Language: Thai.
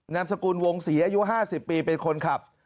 นามสกุลวงศรีอายุ๕๐ปีเป็นคนขับ